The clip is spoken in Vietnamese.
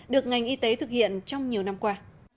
được ngành y tế thực hiện trong nhiều năm qua